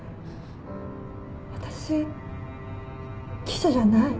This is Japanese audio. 私記者じゃない。